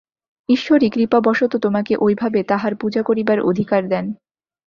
ঈশ্বরই কৃপাবশত তোমাকে ঐভাবে তাঁহার পূজা করিবার অধিকার দেন।